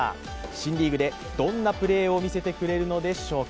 新リーグでどんなプレーを見せてくれるのでしょうか。